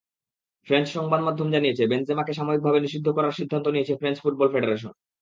French সংবাদমাধ্যম জানিয়েছে, বেনজেমাকে সাময়িকভাবে নিষিদ্ধ করার সিদ্ধান্ত নিয়েছে ফ্রেঞ্চ ফুটবল ফেডারেশন।